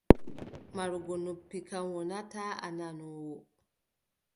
Marugo noppi kam, wonataa a nanoowo.